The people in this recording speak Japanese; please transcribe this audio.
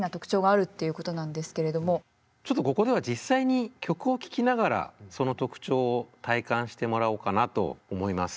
ちょっとここでは実際に曲を聴きながらその特徴を体感してもらおうかなと思います。